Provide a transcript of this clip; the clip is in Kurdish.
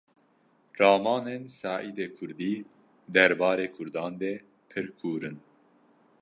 Ramanên Seîdê Kurdî derbarê Kurdan de pir kûr in